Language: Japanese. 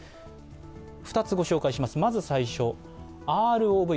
２つ、ご紹介します。